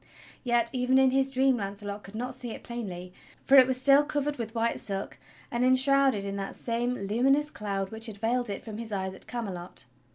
Yet even in his dream Launcelot could not see it plainly, for it was still covered with white silk and enshrouded in that same luminous cloud which had veiled it from his eyes at Camelot.